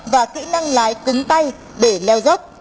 và kỹ năng lái cứng tay để leo dốc